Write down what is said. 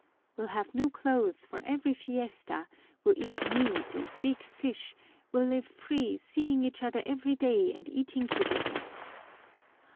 We'll have new clothes for every fiesta, we'll eat meat and big fish, we'll live free, seeing each other every day and eating together.